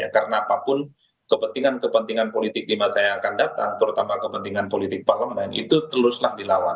karena apapun kepentingan kepentingan politik di masa yang akan datang terutama kepentingan politik parlamen itu teruslah dilawan